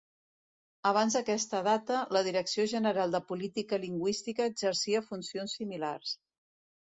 Abans d'aquesta data la Direcció General de Política Lingüística exercia funcions similars.